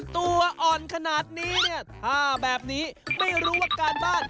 ตัวอ่อนขนาดนี้เนี่ยถ้าแบบนี้ไม่รู้ว่าการบ้าน